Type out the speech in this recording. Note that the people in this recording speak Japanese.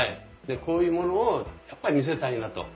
こういうものをやっぱり見せたいなと。